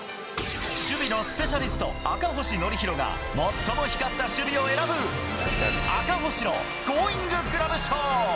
守備のスペシャリスト、赤星憲広が、最も光った守備を選ぶ、赤星のゴーインググラブ賞。